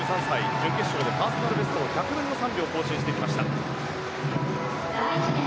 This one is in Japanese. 準決勝でパーソナルベストを１００分の３秒更新してきました。